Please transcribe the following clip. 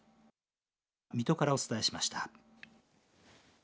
水戸からお伝えしました。